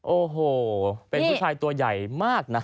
โอ้โหเป็นผู้ชายตัวใหญ่มากนะ